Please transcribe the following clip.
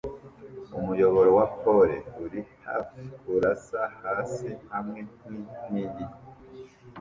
Umuyoboro wa pole uri hafi kurasa hasi hamwe ninkingi ye